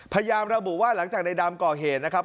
พยายามระบุว่าหลังจากในดำก่อเหตุนะครับ